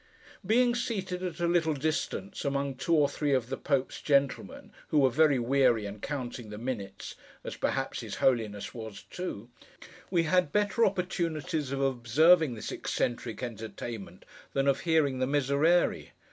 Being seated at a little distance, among two or three of the Pope's gentlemen, who were very weary and counting the minutes—as perhaps his Holiness was too—we had better opportunities of observing this eccentric entertainment, than of hearing the Miserere.